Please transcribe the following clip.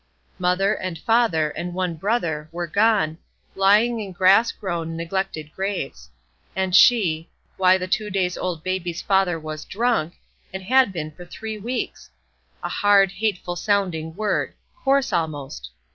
Mother, and father, and one brother, were gone, lying in grass grown, neglected graves; and she why the two days old baby's father was drunk; and had been for three weeks! A hard, hateful sounding word, coarse, almost.